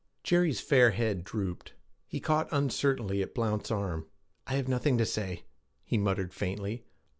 Jerry's fair head drooped; he caught uncertainly at Blount's arm. 'I have nothing to say,' he muttered faintly.